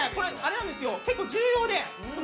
結構重要で。